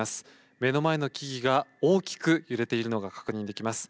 目の前の木々が大きく揺れているのが確認できます。